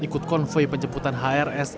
ikut konvoy penjemputan hrs